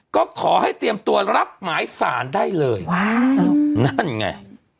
ก็ขอให้เตรียมตัวรับหมายสารได้เลยว้าวนั่นไง